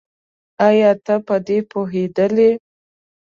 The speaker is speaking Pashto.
ايا ته په دې پوهېدلې؟